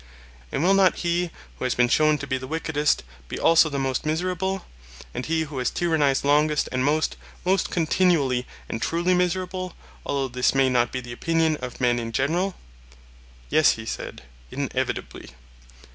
And will not he who has been shown to be the wickedest, be also the most miserable? and he who has tyrannized longest and most, most continually and truly miserable; although this may not be the opinion of men in general? Yes, he said, inevitably.